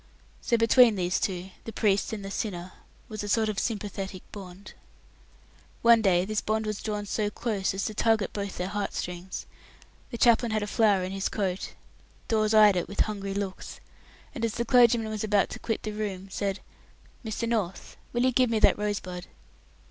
So between these two the priest and the sinner was a sort of sympathetic bond. One day this bond was drawn so close as to tug at both their heart strings. The chaplain had a flower in his coat. Dawes eyed it with hungry looks, and, as the clergyman was about to quit the room, said, "Mr. North, will you give me that rosebud?"